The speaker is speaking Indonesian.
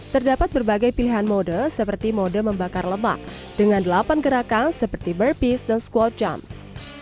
terdapat berbagai pilihan mode seperti mode membakar lemak dengan delapan gerakan seperti bir peace dan squad jumps